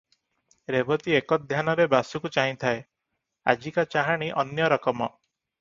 ରେବତୀ ଏକଧ୍ୟାନରେ ବାସୁକୁ ଚାହିଁଥାଏ, ଆଜିକା ଚାହାଁଣି ଅନ୍ୟ ରକମ ।